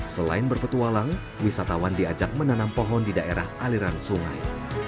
selain berpetualang wisatawan diajak menanam pohon di daerah aliran sungai